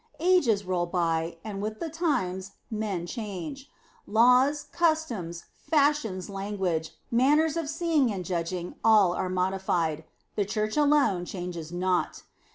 Ages roll by, and with the times, men change. Laws, customs, fashions, language, manners of seeing and judging, all are modified. The Church alone changes not.